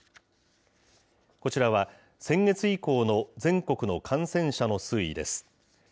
こちらは、先月以降の全国の感染者の推移です。